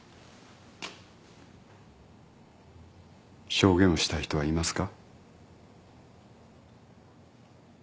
証言をしたい人はいますか。